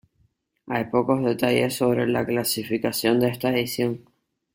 Hay pocos detalles sobre la clasificación de esta edición.